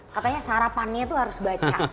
katanya sarapannya itu harus baca